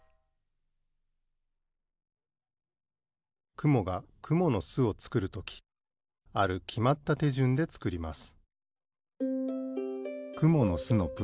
くもがくものすをつくるときあるきまったてじゅんでつくります